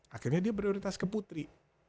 akhirnya dia prioritas ke putri